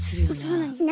そうなんです。